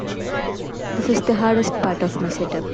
This is the hardest part of my setup.